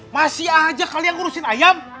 masih aja kalian ngurusin ayam